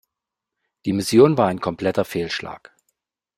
Die Mission war ein kompletter Fehlschlag.